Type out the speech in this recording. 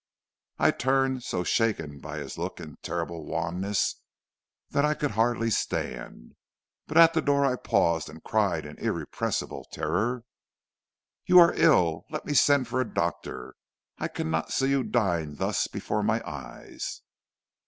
"I turned, so shaken by his look and terrible wanness that I could hardly stand. But at the door I paused and cried in irrepressible terror: "'You are ill; let me send for a doctor. I cannot see you dying thus before my eyes.'